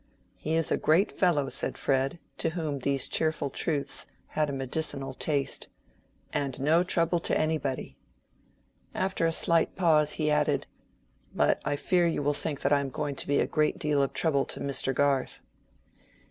"He is a great fellow," said Fred, to whom these cheerful truths had a medicinal taste, "and no trouble to anybody." After a slight pause, he added, "But I fear you will think that I am going to be a great deal of trouble to Mr. Garth."